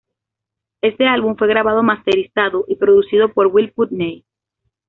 Este álbum fue grabado, masterizado y producido por Will Putney.